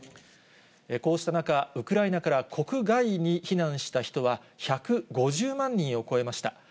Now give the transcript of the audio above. こうした中、ウクライナから国外に避難した人は１５０万人を超えました。